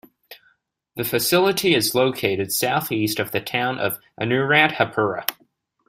The facility is located southeast of the town of Anuradhapura.